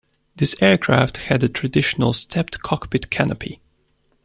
This aircraft had a traditional stepped cockpit canopy.